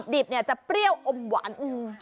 ดิบจะเปรี้ยวอมหวาน